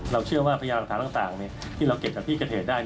เราเชื่อว่าพยาบาลฐานต่างนี้ที่เราเก็บจากพี่กระเทศได้